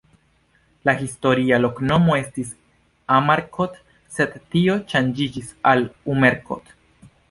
La historia loknomo estis Amarkot, sed tio ŝanĝiĝis al Umerkot.